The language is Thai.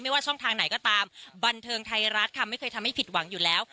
ว่าช่องทางไหนก็ตามบันเทิงไทยรัฐค่ะไม่เคยทำให้ผิดหวังอยู่แล้ว